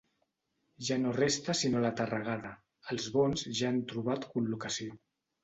Ja no resta sinó la terregada: els bons ja han trobat col·locació.